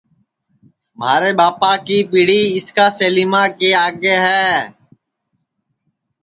مھارے ٻاپا کی پِڑی اِسکا سیلیما آگے ہے